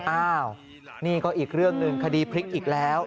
อ้าวนี่ก็อีกเรื่องหนึ่งคดีพลิกอีกแล้ว